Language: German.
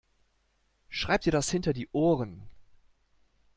Schreib dir das hinter die Ohren!